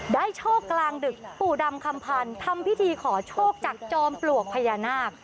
โชคกลางดึกปู่ดำคำพันธ์ทำพิธีขอโชคจากจอมปลวกพญานาค